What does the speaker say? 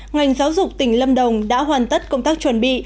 ngành giáo dục tỉnh lâm đồng đã hoàn tất công tác chuẩn bị